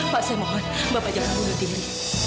pak saya mohon bapak jangan bunuh diri